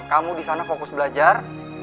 kamu disana fokus belajar